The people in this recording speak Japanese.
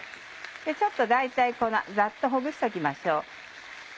ちょっと大体こんなざっとほぐしておきましょう。